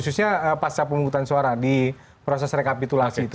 karena pasca pemungutan suara di proses rekapitulasi itu